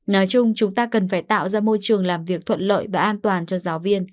nói chung chúng ta cần phải tạo ra môi trường làm việc thuận lợi và an toàn cho giáo viên